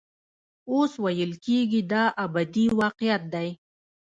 اوس ویل کېږي دا ابدي واقعیت دی.